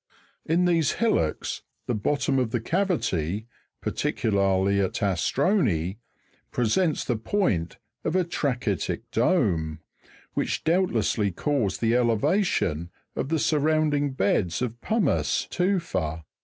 In these hillocks, the bottom of the cavity, particularly at Astroni (Jig. 260), presents the point of a tra'chytic dome, which doubtlessly caused the elevation of the surrounding beds of pumice tu'fa.